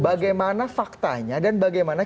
bagaimana faktanya dan bagaimana